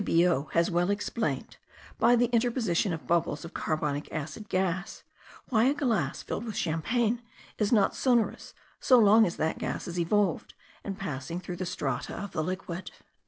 Biot has well explained, by the interposition of bubbles of carbonic acid gas, why a glass filled with champagne is not sonorous so long as that gas is evolved, and passing through the strata of the liquid.